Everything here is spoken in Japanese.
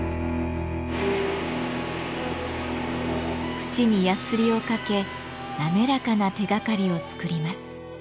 縁にやすりをかけ滑らかな手がかりを作ります。